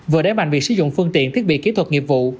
vừa đáy mạnh việc sử dụng phương tiện thiết bị kỹ thuật nghiệp vụ